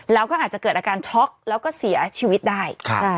แล้วก็อาจจะเกิดอาการช็อกแล้วก็เสียชีวิตได้